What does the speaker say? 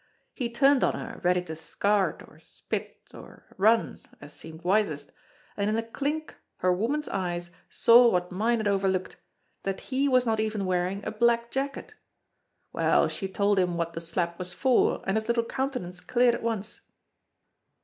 He turned on her, ready to scart or spit or run, as seemed wisest, and in a klink her woman's eye saw what mine had overlooked, that he was not even wearing a black jacket. Well, she told him what the slap was for, and his little countenance cleared at once.